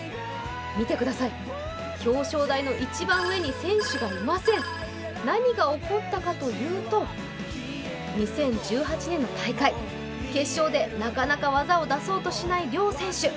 見てください、表彰台の一番上に選手がいません、何が起こったかというと２０１８年の大会、決勝でなかなか技を出そうとしない両選手。